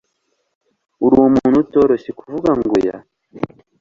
Uri umuntu utoroshye kuvuga ngo oya.